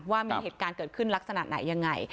ว่ามีเหตุการณ์เกิดขึ้นลักษณะไหนยังไง